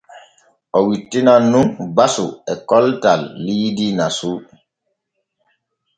O wittinan nun basu e koltal liidi nasu.